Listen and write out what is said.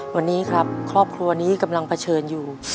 วันนี้ครับครอบครัวนี้กำลังเผชิญอยู่